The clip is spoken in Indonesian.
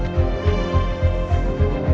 kita bisa berdua kita bisa berdua